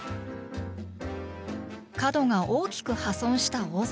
角が大きく破損した大皿。